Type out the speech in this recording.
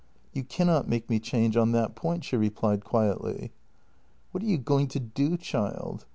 " You cannot make me change on that point," she replied quietly. "What are you going to do, child?